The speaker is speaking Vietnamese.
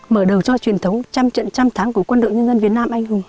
mở đầu cho truyền thống trăm trận trăm tháng của quân đội nhân dân việt nam anh hùng